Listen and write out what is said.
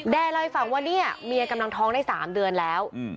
เล่าให้ฟังว่าเนี่ยเมียกำลังท้องได้๓เดือนแล้ว